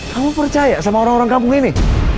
kamu percaya sama orang orang kampung ini